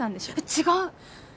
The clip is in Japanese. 違う！